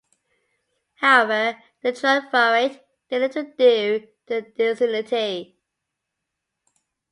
However, the triumvirate did little due to their disunity.